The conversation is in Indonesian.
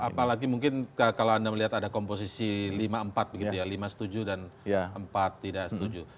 apalagi mungkin kalau anda melihat ada komposisi lima empat begitu ya lima tujuh dan empat tidak setuju